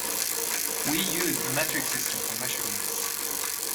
We use the metric system for measurements.